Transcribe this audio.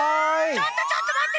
ちょっとちょっとまって！